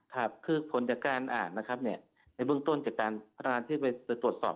ครับคือผลจากการอ่านในเบื้องต้นจากการพนักงานที่ไปตรวจสอบ